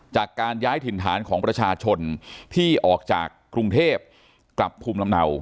จากการย้ายถิ่นฐานของประชาชนที่ออกจากกรุงเทพกลับภูมิลำเนา